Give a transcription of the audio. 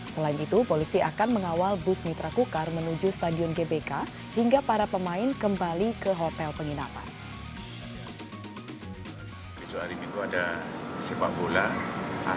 selain itu polisi akan mengawal bus mitra kukar menuju stadion gbk hingga para pemain kembali ke hotel penginapan